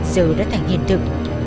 giờ đã thành hiện thực